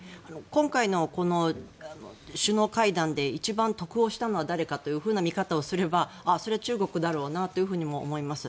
今回の首脳会談で一番得をしたのは誰かという見方をすればそれは中国だろうなと思います。